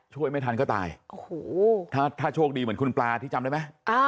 ช่วยไม่ทันก็ตายโอ้โหถ้าโชคดีเหมือนคุณปลาที่จำได้ไหม